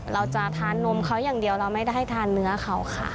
เราจะทานนมเขาอย่างเดียวเราไม่ได้ทานเนื้อเขาค่ะ